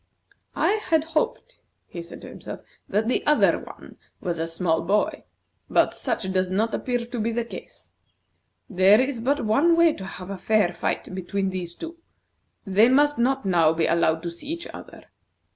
"I had hoped," he said to himself, "that the other one was a small boy, but such does not appear to be the case. There is but one way to have a fair fight between these two. They must not now be allowed to see each other.